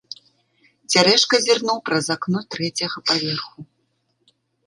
Цярэшка зірнуў праз акно трэцяга паверху.